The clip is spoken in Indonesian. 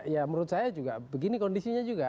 ya menurut saya juga begini kondisinya juga